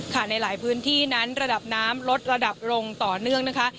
ในหลายพื้นที่นั้นระดับน้ำลดระดับลงต่อเนื่องนะคะ